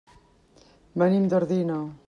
Venim d'Ordino.